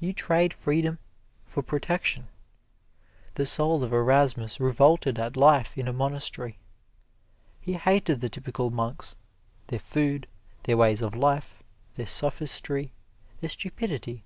You trade freedom for protection. The soul of Erasmus revolted at life in a monastery. He hated the typical monks their food, their ways of life, their sophistry, their stupidity.